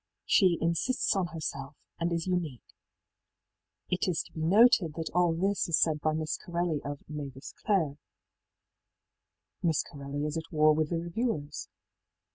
She ìinsists on herself,î and is unique,í It is to be noted that all this is said by Miss Corelli of ëMavis Clare,í Miss Corelli is at war with the reviewers.